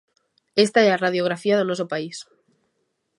Esta é a radiografía do noso país.